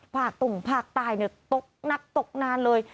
กตุ้งภาคใต้ตกหนักตกนานเลย